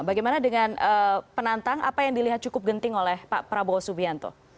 bagaimana dengan penantang apa yang dilihat cukup genting oleh pak prabowo subianto